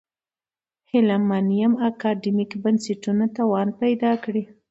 هیله من یم اکاډمیک بنسټونه توان پیدا کړي.